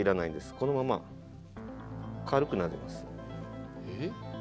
このまま軽くなります。